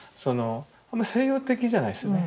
あんま西洋的じゃないですよね